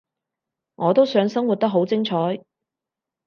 我都想生活得好精彩